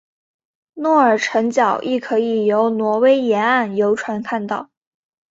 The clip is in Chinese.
诺尔辰角亦可以由挪威沿岸游船看到。